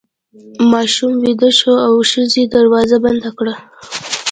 ماشوم ویده شو او ښځې دروازه بنده کړه.